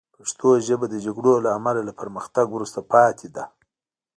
پښتو ژبه د جګړو له امله له پرمختګ وروسته پاتې ده